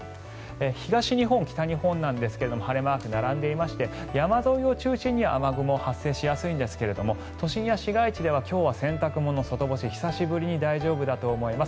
東日本、北日本ですが晴れマークが並んでいまして山沿いを中心に雨雲が発生しやすいですが都心では今日は洗濯物、外干し久しぶりに大丈夫だと思います。